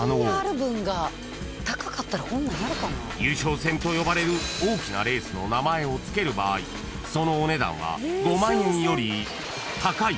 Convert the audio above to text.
［優勝戦と呼ばれる大きなレースの名前を付ける場合そのお値段は］